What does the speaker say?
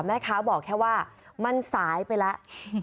แม่ค้าบอกแค่ว่ามันสายไปแล้ว